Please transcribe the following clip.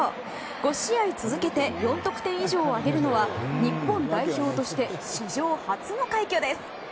５試合続けて４得点以上を挙げるのは日本代表として史上初の快挙です。